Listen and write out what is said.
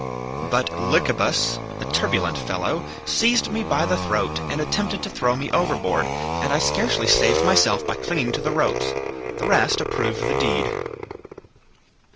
But Lycabas, a turbulent fellow, seized me by the throat and attempted to throw me overboard, and I scarcely saved myself by clinging to the ropes. The rest approved the deed.